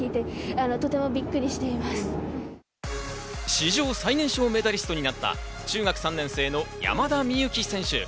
史上最年少メダリストになった中学３年生の山田美幸選手。